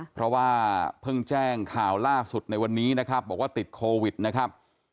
เพราะว่าเพิ่งแจ้งข่าวล่าสุดในวันนี้นะครับบอกว่าติดโควิดนะครับ